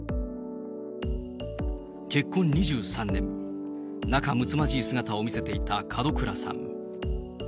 結婚２３年、仲むつまじい姿を見せていた門倉さん。